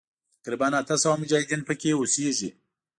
تقریباً اته سوه مجاهدین پکې اوسیږي.